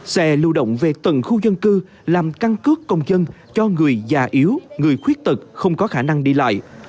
xe lưu động về tầng khu dân cư làm căn cước công dân cho người già yếu người khuyết tật không có khả năng đi lại